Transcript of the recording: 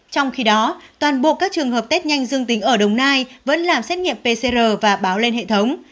trong khi đó toàn bộ các trường hợp test nhanh dương tính ở đồng nai vẫn làm xét nghiệm pcr và báo lên hệ thống